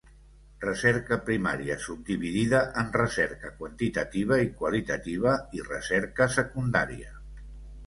Recerca primària subdividida en recerca quantitativa i qualitativa i recerca secundària.